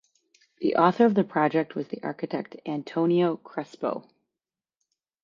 The author of the project was the architect Antonio Crespo.